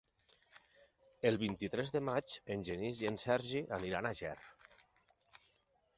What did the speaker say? El vint-i-tres de maig en Genís i en Sergi aniran a Ger.